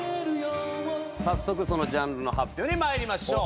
早速そのジャンルの発表にまいりましょう。